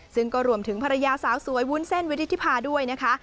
ซึ่งก็รวมถึงภรรยาสาวสวยวุ้นเส้นวิริธิภาด้วยนะคะ